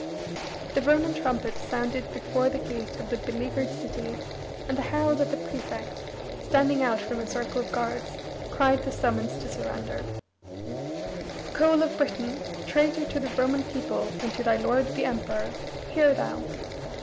The Roman trumpets sounded before the gate of the beleaguered city, and the herald of the prefect, standing out from his circle of guards, cried the summons to surrender: "Coel of Britain, traitor to the Roman people and to thy lord the Emperor, hear thou!